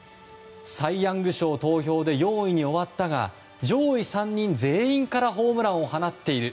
サイ・ヤング賞投票で４位に終わったが上位３人全員からホームランを放っている。